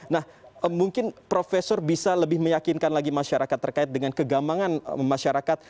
nah mungkin profesor bisa lebih meyakinkan lagi masyarakat terkait dengan kegambangan masyarakat